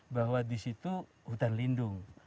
bahwa di situ hutan lindung